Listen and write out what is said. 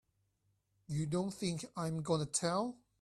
You don't think I'm gonna tell!